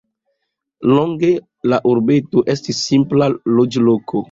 Longe la urbeto estis simpla loĝloko.